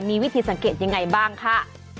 มีวิธีสังเกตยังไงบ้างค่ะ